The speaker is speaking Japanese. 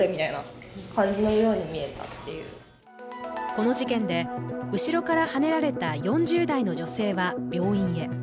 この事件で後ろからはねられた４０代の女性は病院へ。